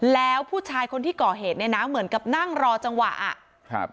แล้วผู้ชายคนที่ก่อเหตุเนี่ยนะเหมือนกับนั่งรอจังหวะอ่ะครับ